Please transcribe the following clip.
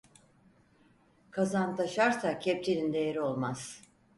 Kazan taşarsa kepçenin değeri olmaz.